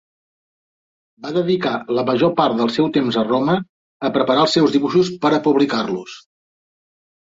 Va dedicar la major part del seu temps a Roma a preparar els seus dibuixos per a publicar-los.